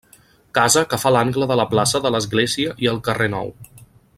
Casa que fa l'angle de la plaça de l'església i el carrer Nou.